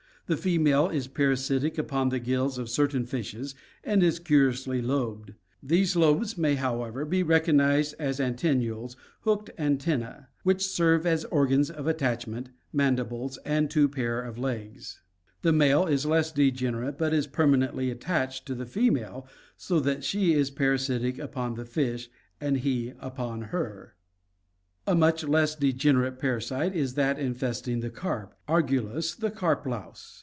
The female is parasitic upon the gills of certain fishes and is curiously lobed. These lobes may, however, be rec ognized as antennules, booked antenna: which serve as organs of at F[G tachment, mandibles, Ertasiius: and tWO pairs of legs. b"^cd c i«'">».' I>. Ltnuia; a, egg sacs. (After _. 1 ■ 1 j Parker and Haswell.) The male is less degen erate but is permanently attached to the female, so that she is parasitic upon the fish and he upon her. A much less degenerate parasite is that infesting the carp — Argu lus, the carp louse.